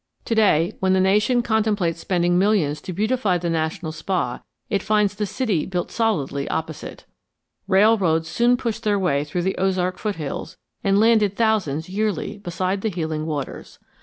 To day, when the nation contemplates spending millions to beautify the national spa, it finds the city built solidly opposite. Railroads soon pushed their way through the Ozark foothills and landed thousands yearly beside the healing waters.